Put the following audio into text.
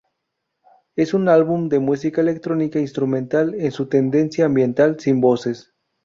Es un álbum de música electrónica instrumental en su tendencia ambiental, sin voces.